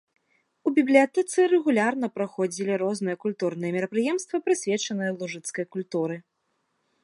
У бібліятэцы рэгулярна праходзілі розныя культурныя мерапрыемствы, прысвечаныя лужыцкай культуры.